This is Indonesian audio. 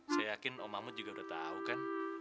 saya yakin om mahmud juga udah tahu kan